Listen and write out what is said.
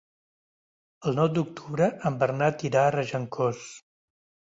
El nou d'octubre en Bernat irà a Regencós.